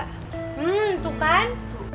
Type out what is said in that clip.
hmm tuh kan